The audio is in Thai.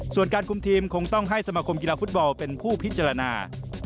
ส่วนการคุมทีมคงต้องให้สมาคมกีฬาฟุตบอลเป็นผู้พิจารณา